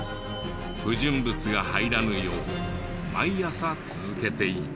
不純物が入らぬよう毎朝続けていた。